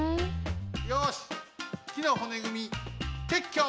よしきのほねぐみてっきょ！